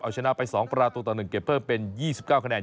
เอาชนะไป๒ประตูต่อ๑เก็บเพิ่มเป็น๒๙คะแนน